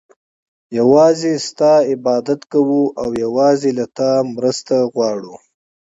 يوازي ستا عبادت كوو او يوازي له تا مرسته غواړو